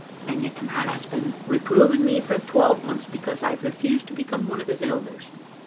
And yet that man has been reproving me for a twelvemonths because I've refused to become one of his elders.